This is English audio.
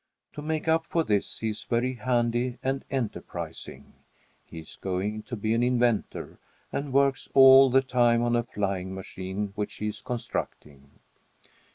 To make up for this, he is very handy and enterprising. He is going to be an inventor and works all the time on a flying machine which he is constructing.